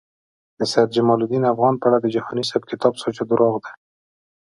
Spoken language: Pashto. د سید جمالدین افغان په اړه د جهانی صیب کتاب سوچه درواغ دی